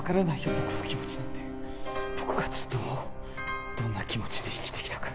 僕の気持ちなんて僕がずっとどんな気持ちで生きてきたか